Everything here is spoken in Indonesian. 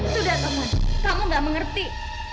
sudah taman kamu gak mengerti